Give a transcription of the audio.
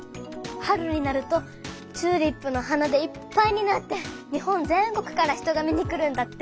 春になるとチューリップの花でいっぱいになって日本全国から人が見に来るんだって。